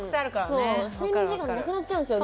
睡眠時間なくなっちゃうんですよ